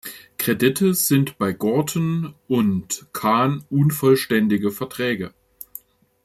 Kredite sind bei Gorton und Kahn unvollständige Verträge.